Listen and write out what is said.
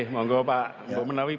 mohon jawab pak